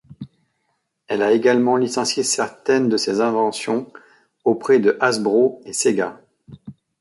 Elle a également licencié certaines de ses inventions auprès de Hasbro et Sega.